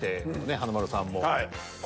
華丸さんも。